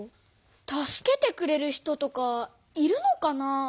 助けてくれる人とかいるのかなあ？